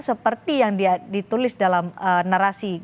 seperti yang ditulis dalam narasi